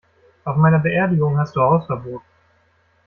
Auf meiner Beerdigung hast du Hausverbot!